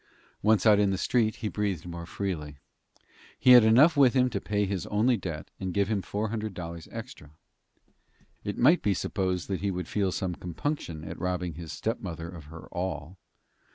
Once out in the street, he breathed more freely. He had enough with him to pay his only debt, and give him four hundred dollars extra. It might be supposed he would feel some compunction at robbing his stepmother of her all.